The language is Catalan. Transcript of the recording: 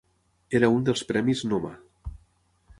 Era un dels Premis Noma.